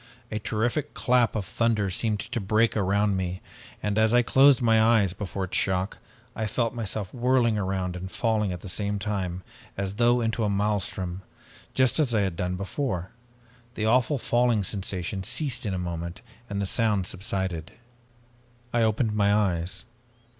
"A terrific clap of thunder seemed to break around me, and as I closed my eyes before its shock, I felt myself whirling around and falling at the same time as though into a maelstrom, just as I had done before. The awful falling sensation ceased in a moment and the sound subsided. I opened my eyes.